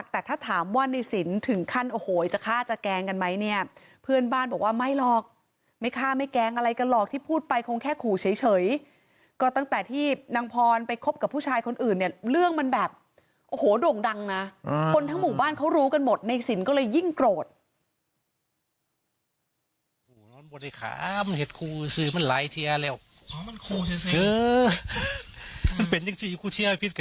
แต่ถ้าถามว่าในสินถึงขั้นโอ้โหจะฆ่าจะแกล้งกันไหมเนี่ยเพื่อนบ้านบอกว่าไม่หรอกไม่ฆ่าไม่แกล้งอะไรกันหรอกที่พูดไปคงแค่ขู่เฉยก็ตั้งแต่ที่นางพรไปคบกับผู้ชายคนอื่นเนี่ยเรื่องมันแบบโอ้โหโด่งดังนะคนทั้งหมู่บ้านเขารู้กันหมดในสินก็เลยยิ่งโกรธ